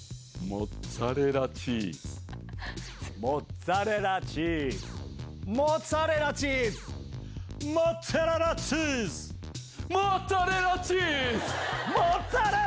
モッツァレラチズ‼モッツァレラチズ‼モッツァレラチズ‼モッツァレラチズ‼モッツァレラチズ‼